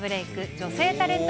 女性タレント